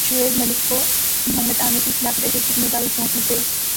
شعیب ملک کو محمد عامر کی اخلاقی تربیت کی ذمہ داری سونپ دی گئی